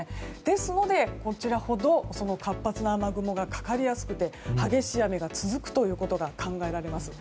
ですので、こちらほど活発な雨雲がかかりやすくて激しい雨が続くことが考えられます。